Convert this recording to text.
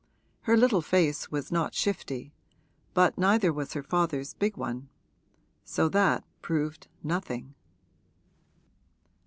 Her little face was not shifty, but neither was her father's big one: so that proved nothing.